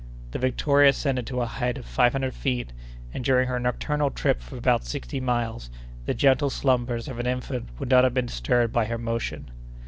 The Victoria ascended to a height of five hundred feet, and, during her nocturnal trip of about sixty miles, the gentle slumbers of an infant would not have been disturbed by her motion.